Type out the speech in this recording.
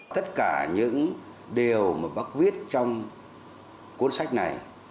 tất cả những điều mà bác viết trong cuốn sách này